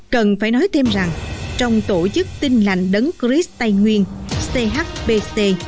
cần phải nói thêm rằng trong tổ chức tinh lạnh đấng chris tây nguyên chbc